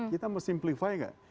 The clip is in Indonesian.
kita mau simplify gak